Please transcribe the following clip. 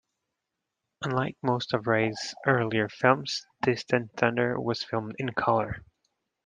Unlike most of Ray's earlier films, "Distant Thunder" was filmed in colour.